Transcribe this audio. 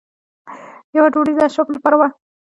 یوه ډوډۍ د اشرافو لپاره وه.